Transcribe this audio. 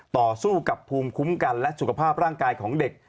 ต่อสู้กับภูมิคุ้มกันและสุขภาพร่างกายของเด็ก